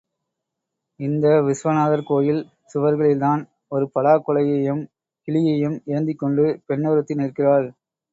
இந்த விஸ்வநாதர் கோயில் சுவர்களில்தான் ஒரு பழக் குலையையும், கிளியையும் ஏந்திக் கொண்டு பெண்ணொருத்தி நிற்கிறாள்.